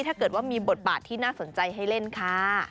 ถ้าเกิดว่ามีบทบาทที่น่าสนใจให้เล่นค่ะ